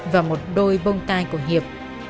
và một đôi bông tai của hiệp